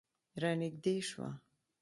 رانږدې شوه.